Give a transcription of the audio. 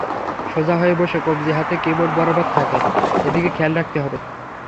সোজা হয়ে বসে কবজি যাতে কিবোর্ড বরাবর থাকে, এদিকে খেয়াল রাখতে হবে।